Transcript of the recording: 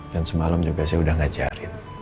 dan semalam juga saya udah ngajarin